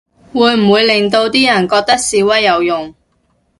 會唔會令到啲人覺得示威有用